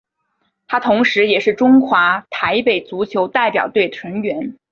他同时也是中华台北足球代表队成员。